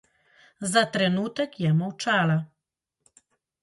Za trenutek je molčala.